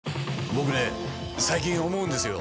僕ね最近思うんですよ。